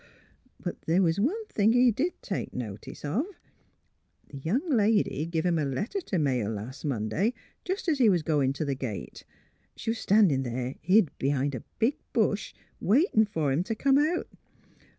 But the' was one thing he did take notice of; the young lady give him a letter t' mail last Monday, jes' 's he was goin' out the gate. She was standin' there, hid b'hind a big bush waitin' fer him t' come out.